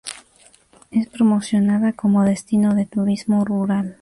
Es promocionada como destino de turismo rural.